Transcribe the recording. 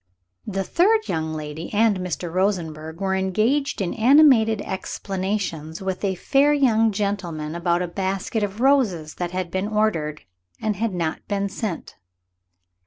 The third young lady and Mr. Rosenberg were engaged in animated explanations with a fair young gentleman about a basket of roses that had been ordered, and had not been sent.